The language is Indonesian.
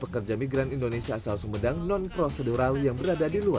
karena ini harus di tangan ya